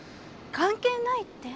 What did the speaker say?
関係ないって？